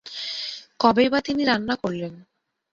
কবেই বা তিনি রান্না করলেন?